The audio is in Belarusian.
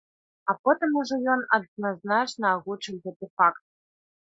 А потым ужо ён адназначна агучыў гэты факт.